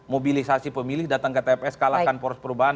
mobilisasi pemilih datang ke tps kalahkan poros perubahan